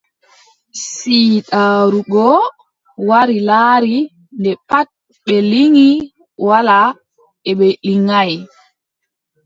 Siidaaru goo wari laari, nde pat ɓe liŋi walaa e ɓe liŋaay ;